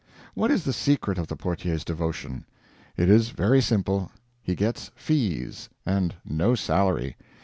What is the secret of the portier's devotion? It is very simple: he gets FEES, AND NO SALARY.